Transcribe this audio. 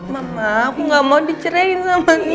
mama aku gak mau dicerain sama nino